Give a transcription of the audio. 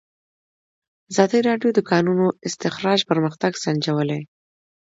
ازادي راډیو د د کانونو استخراج پرمختګ سنجولی.